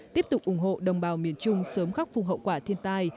tiếp tục ủng hộ đồng bào miền trung sớm khắc phục hậu quả thiên tai